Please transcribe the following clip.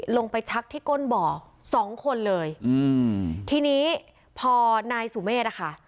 ลงไปชักที่ก้นเบาะ๒คนเลยทีนี้พอนายสุเมศล่ะค่ะ